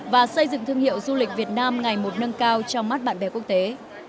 và xây dựng thương hiệu du lịch việt nam ngày một nâng cao trong mắt bạn bè quốc tế